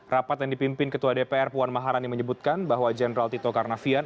rapat yang dipimpin ketua dpr puan maharani menyebutkan bahwa jenderal tito karnavian